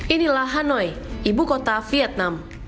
inilah hanoi ibu kota vietnam